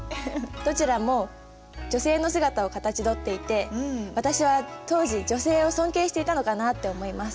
どちらも女性の姿をかたちどっていて私は当時女性を尊敬していたのかなって思います。